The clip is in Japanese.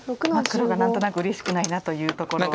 黒が何となくうれしくないなというところは。